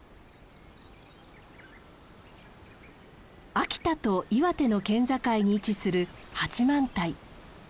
秋田と岩手の県境に位置する八幡平。